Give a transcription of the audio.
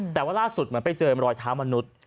แต่ว่าล่าสุดเหมือนไปเจอรอยเท้ามนุษย์